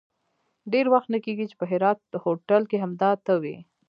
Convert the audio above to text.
ډېر وخت نه کېږي چې په هرات هوټل کې همدا ته وې.